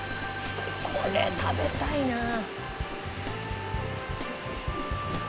これ食べたいなあ。